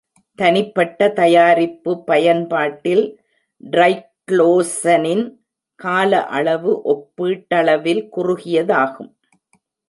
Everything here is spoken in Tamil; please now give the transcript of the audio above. தனிப்பட்ட தயாரிப்பு பயன்பாட்டில் ட்ரைக்ளோசனின் காலஅளவு ஒப்பீட்டளவில் குறுகியதாகும்.